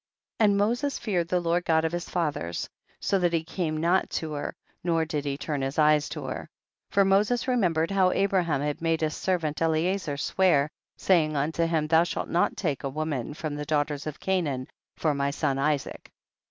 32. And Moses feared the Lord God of his fathers, so that he came not to her, nor did he turn his eyes to her. 33. For Moses remembered how Abraham had made his servant Eliezer swear, saying wn^o him, thou shalt not take a woman from the 224 THE BOOK OF JASHER. daughters of Canaan for my son Isaac.